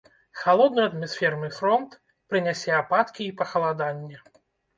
Халодны атмасферны фронт прынясе ападкі і пахаладанне.